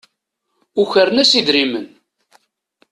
Ukren-as idrimen.